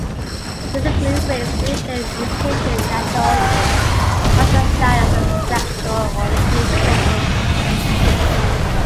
This includes race, religion, education, national origin, marital status and sexual orientation.